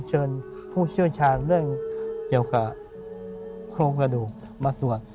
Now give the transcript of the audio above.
เชิญผู้เชี่ยวชาญเรื่องเกี่ยวกับโครงกระดูกมาตรวจ